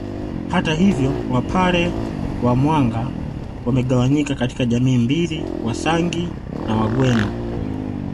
Hata hivyo Wapare wa Mwanga wamegawanyika katika jamii mbili Wasangi na Wagweno